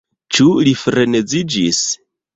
Ĉu li freneziĝis?